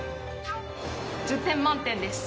１０点満点です。